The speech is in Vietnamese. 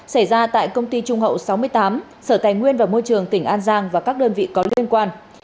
xảy ra tại công ty trung hậu sáu mươi tám sở tài nguyên và môi trường tỉnh an giang và các đơn vị có liên quan